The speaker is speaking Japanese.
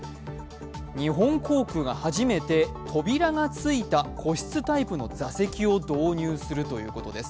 日本航空が初めて扉がついた個室タイプの座席を導入するということです。